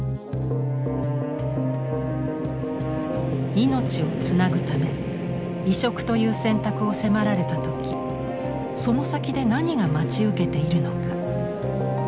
命をつなぐため移植という選択を迫られた時その先で何が待ち受けているのか。